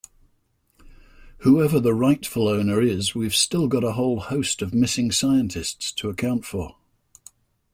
Whoever the rightful owner is we've still got a whole host of missing scientists to account for.